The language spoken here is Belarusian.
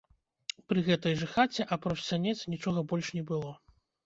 Пры гэтай жа хаце, апроч сянец, нічога больш не было.